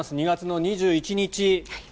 ２月２１日。